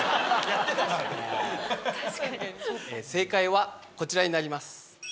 正解はこちらになります。